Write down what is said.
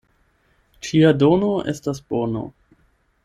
Ĉia dono estas bono.